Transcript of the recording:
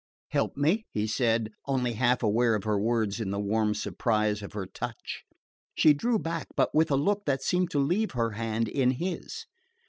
"Help me?" he said, only half aware of her words in the warm surprise of her touch. She drew back, but with a look that seemed to leave her hand in his.